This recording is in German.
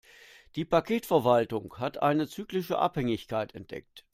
Die Paketverwaltung hat eine zyklische Abhängigkeit entdeckt.